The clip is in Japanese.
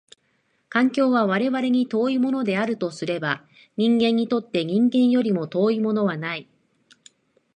環境は我々に遠いものであるとすれば、人間にとって人間よりも遠いものはない。